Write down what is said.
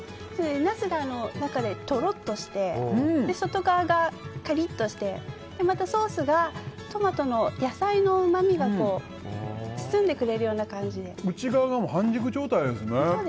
ナスが中で、とろっとして外側がカリッとしてまた、ソースがトマトの野菜のうまみが内側が半熟状態ですね。